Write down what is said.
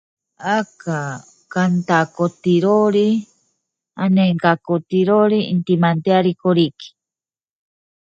Ese artículo inspiró la creación de modelos económicos cuantitativos dinámicos.